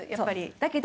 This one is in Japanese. だけど。